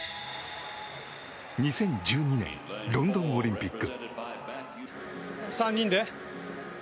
２０１２年ロンドンオリンピック。